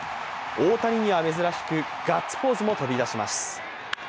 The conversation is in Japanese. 大谷には珍しくガッツポーズも飛び出します。